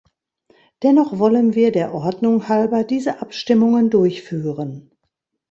Dennoch wollen wir der Ordnung halber diese Abstimmungen durchführen.